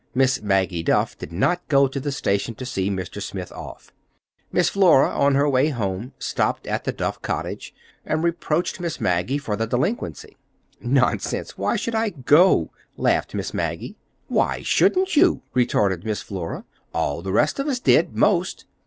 Miss Maggie Duff did not go to the station to see Mr. Smith off. Miss Flora, on her way home, stopped at the Duff cottage and reproached Miss Maggie for the delinquency. "Nonsense! Why should I go?" laughed Miss Maggie. "Why shouldn't you?" retorted Miss Flora. "All the rest of us did, 'most."